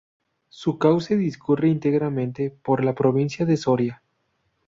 Su cauce discurre íntegramente por la provincia de Soria.